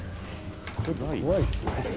怖いですよね。